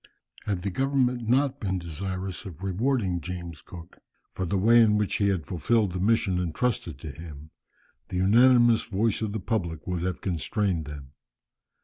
Had the government not been desirous of rewarding James Cook for the way in which he had fulfilled the mission entrusted to him, the unanimous voice of the public would have constrained them.